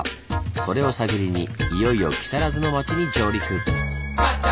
それを探りにいよいよ木更津の町に上陸。